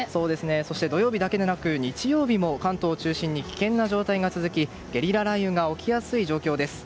そして土曜日だけでなく日曜日も関東を中心に危険な状態が続きゲリラ雷雨が起きやすい状態です。